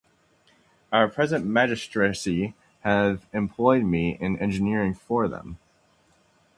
Our present magistracy have employed me in engineering for them.